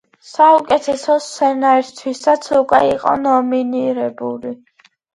საუკეთესო სცენარისთვისაც უკვე იყო ნომინირებული.